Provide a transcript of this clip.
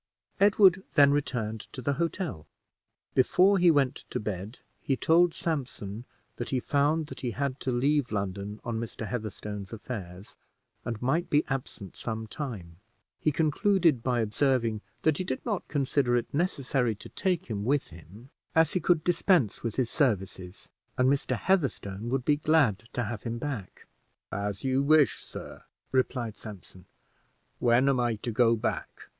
Edward then returned to the hotel. Before he went to bed, he told Sampson that he found that he had to leave London on Mr. Heatherstone's affairs, and might be absent some time; he concluded by observing that he did not consider it necessary to take him with him, as he could dispense with his services, and Mr. Heatherstone would be glad to have him back. "As you wish, sir," replied Sampson. "When am I to go back?"